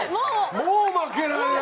もう負けられない！